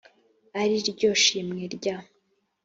ari ryo shimwe rya